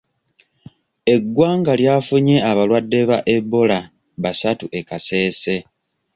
Eggwanga lyafunye abalwadde ba Ebola basatu e Kasese.